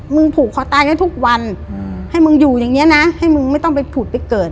ผูกคอตายไว้ทุกวันให้มึงอยู่อย่างเงี้นะให้มึงไม่ต้องไปผุดไปเกิด